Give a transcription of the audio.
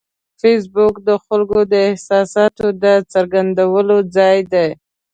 فېسبوک د خلکو د احساساتو د څرګندولو ځای دی